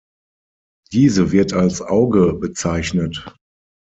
Diese wird als Auge bezeichnet.